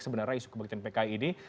sebenarnya isu kebaktian pki ini